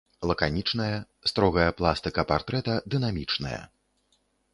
Лаканічная, строгая пластыка партрэта дынамічная.